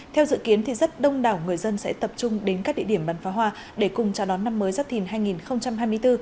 theo dự kiến thì rất đông đảo người dân sẽ tập trung đến các địa điểm bắn phá hoa để cùng chào đón năm mới giáp thìn hai nghìn hai mươi bốn